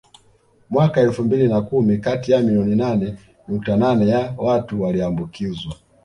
Mwaka elfu mbili na kumi kati ya milioni nane nukta nane ya watu waliambukizwa